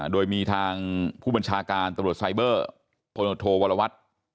โดยมีทางผู้บัญชาการตำรวจไซเบอร์พลโทวรวัตร